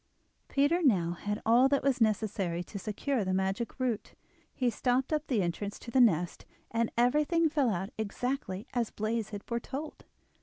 Peter now had all that was necessary to secure the magic root; he stopped up the entrance to the nest, and everything fell out exactly as Blaize had foretold.